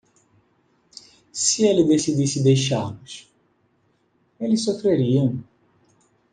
Se ele decidisse deixá-los?, eles sofreriam.